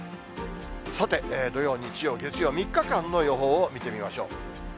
さて、土曜、日曜、月曜、３日間の予報を見てみましょう。